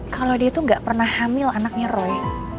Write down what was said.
kalau dia itu gak pernah hamil anaknya roy